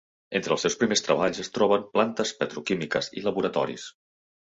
Entre els seus primers treballs es troben plantes petroquímiques i laboratoris.